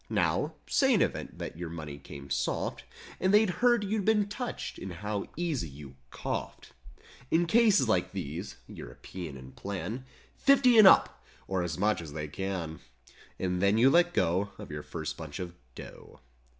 Now, say in event that your money came "soft" 154 And they'd heard you'd been touched, and how easy you "coughed"— In cases like these—European in plan— "Fifty and up" or as much as they can. And then you let go Of your first bunch of "dough."